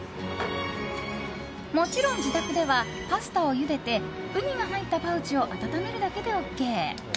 もちろん自宅ではパスタをゆでてウニが入ったパウチを温めるだけでＯＫ。